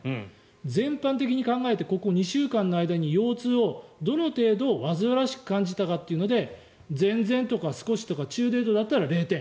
全般的に考えてここ２週間の間に腰痛をどの程度煩わしく感じたかというので全然とか、少しとか中程度だったら０点。